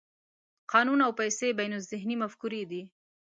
قانون او پیسې بینالذهني مفکورې دي.